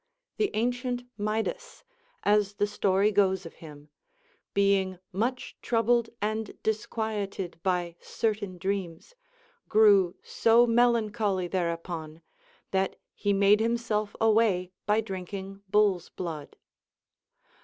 The ancient Midas (as the story goes of him), being much troubled and disquieted by certain (dreams, grew so melancholy thereupon, that he made him self away by drinking bull's blood.